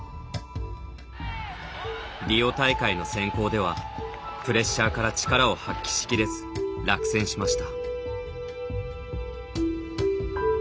リオ大会の選考ではプレッシャーから力を発揮し切れず落選しました。